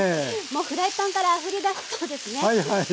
フライパンからあふれ出しそうですね。